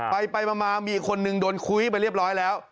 ไปไปมามีคนหนึ่งโดนคุยมาเรียบร้อยแล้ว